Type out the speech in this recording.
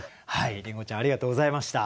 りんごちゃんありがとうございました。